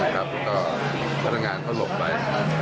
ก็ทัดงานหลบไป